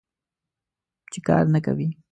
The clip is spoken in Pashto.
چې کار نه کوې.